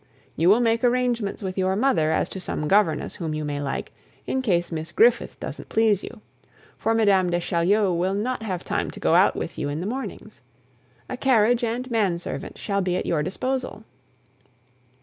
You will make arrangements with your mother as to some governess whom you may like, in case Miss Griffith doesn't please you, for Mme. de Chaulieu will not have time to go out with you in the mornings. A carriage and man servant shall be at your disposal."